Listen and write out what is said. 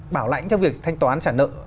bảo lãnh trong việc thanh toán trả nợ